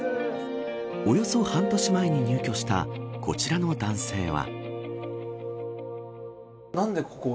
およそ半年前に入居したこちらの男性は。